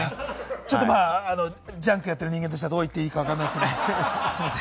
ちょっとジャンクやってる人間としてどう言っていいか分からないんですけれども。